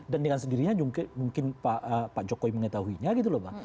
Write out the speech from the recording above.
dan dengan sendirinya mungkin pak jokowi mengetahuinya